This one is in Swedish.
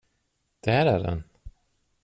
Där är den.